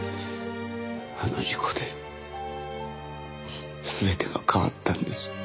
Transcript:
あの事故で全てが変わったんです。